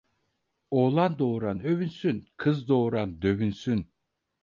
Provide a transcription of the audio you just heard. Oğlan doğuran övünsün, kız doğuran dövünsün.